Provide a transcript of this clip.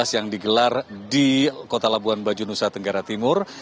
yang digelar di kota labuan bajunusa tenggara timur